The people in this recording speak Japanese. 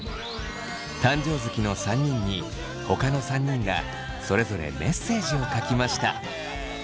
誕生月の３人にほかの３人がそれぞれメッセージを書きました。